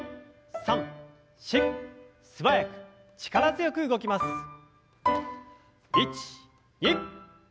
素早く力強く動きます。